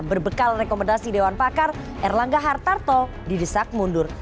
berbekal rekomendasi dewan pakar erlangga hartarto didesak mundur